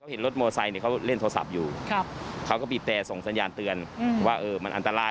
เห็นรถมอไซค์เขาเล่นโทรศัพท์อยู่เขาก็บีบแต่ส่งสัญญาณเตือนว่ามันอันตราย